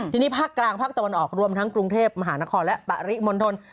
ทีนี้ภาคกลางภาคตะวันออกรวมทั้งกรุงเทพมหานครและปริมณฑล